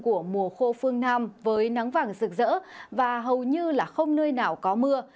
của mùa khô phương nam với nắng vàng rực rỡ và hầu như là không nơi nào có mưa